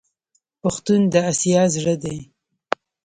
پښتون د اسیا زړه دی.